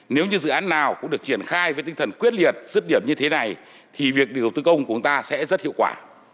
nếu như dự án nào cũng được triển khai với tinh thần quyết liệt dứt điểm như thế này thì việc điều tư công của chúng ta sẽ rất hiệu quả